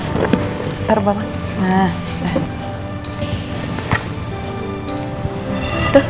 yuk sarapan yuk